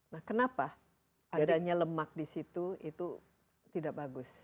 nah kenapa adanya lemak di situ itu tidak bagus